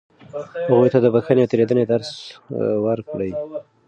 هغوی ته د بښنې او تېرېدنې درس ورکړئ.